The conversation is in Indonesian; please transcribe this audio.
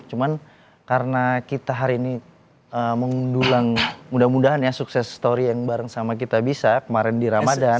cuman karena kita hari ini mengdulang mudah mudahan ya sukses story yang bareng sama kita bisa kemarin di ramadan